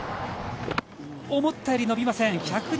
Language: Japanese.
思ったより伸びません。